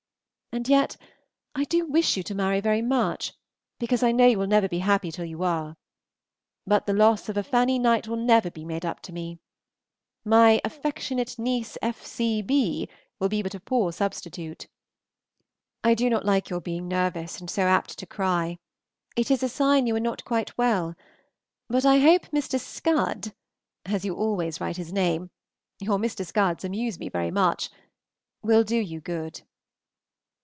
And yet I do wish you to marry very much, because I know you will never be happy till you are; but the loss of a Fanny Knight will be never made up to me. My "affec. niece F. C. B " will be but a poor substitute. I do not like your being nervous, and so apt to cry, it is a sign you are not quite well; but I hope Mr. Scud as you always write his name (your Mr. Scuds amuse me very much) will do you good.